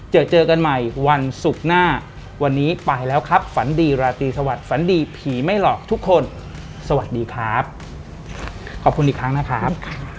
เจอเจอกันใหม่วันศุกร์หน้าวันนี้ไปแล้วครับฝันดีราตรีสวัสดิฝันดีผีไม่หลอกทุกคนสวัสดีครับขอบคุณอีกครั้งนะครับ